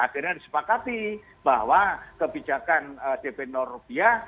akhirnya disepakati bahwa kebijakan dp rupiah